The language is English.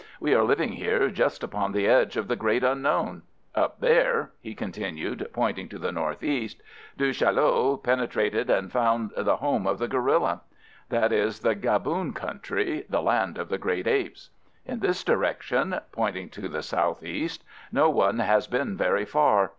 "We are living here just upon the edge of the great unknown. Up there," he continued, pointing to the north east, "Du Chaillu penetrated, and found the home of the gorilla. That is the Gaboon country—the land of the great apes. In this direction," pointing to the south east, "no one has been very far.